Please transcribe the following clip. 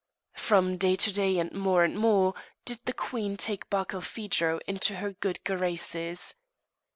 From day to day, and more and more, did the queen take Barkilphedro into her good graces.